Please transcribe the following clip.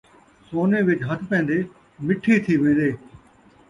سونے وچ ہتھ پین٘دے ، مٹھی تھی وین٘دے